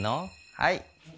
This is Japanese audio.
はい。